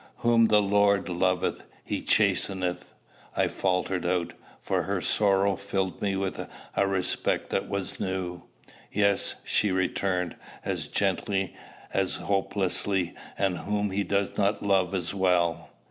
"Whom the Lord loveth he chasteneth," I faltered out, for her sorrow filled me with a respect that was new. "Yes," she returned, as gently as hopelessly; "and whom he does not love as well."